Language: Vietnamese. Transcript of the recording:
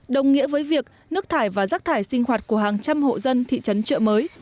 đồng nghĩa với việc nước thải và rác thải sinh hoạt của hàng trăm hộ dân thị trấn trợ mới